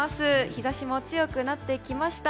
日差しも強くなってきました。